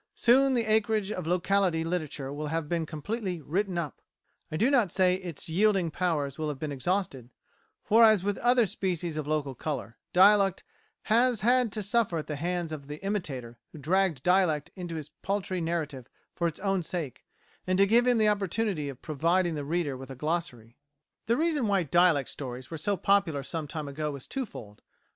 Soon the acreage of locality literature will have been completely "written up"; I do not say its yielding powers will have been exhausted, for, as with other species of local colour, dialect has had to suffer at the hands of the imitator who dragged dialect into his paltry narrative for its own sake, and to give him the opportunity of providing the reader with a glossary. The reason why dialect stories were so popular some time ago is twofold.